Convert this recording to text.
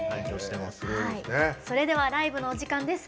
それではライブのお時間です。